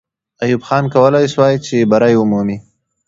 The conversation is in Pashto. ایوب خان کولای سوای چې بری ومومي.